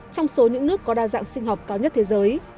trong số những nước có đa dạng sinh học cao nhất thế giới